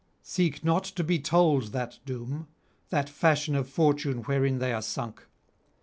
Seek not to be told that doom, that fashion of fortune wherein they are sunk.